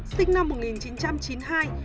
sinh năm một nghìn chín trăm chín mươi hai